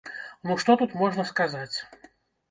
Ну што тут можна сказаць?